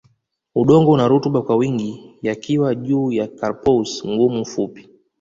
Udongo una rutuba kwa wingi yakiwa juu ya carpaous ngumu fupi